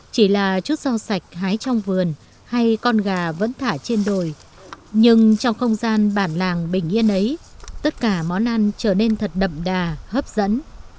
chỉ là chút rau sạch hái trong vườn hay con gà vẫn thả trên đồi nhưng trong không gian bản làng bình yên ấy tất cả món ăn trở nên thật đậm đà hấp dẫn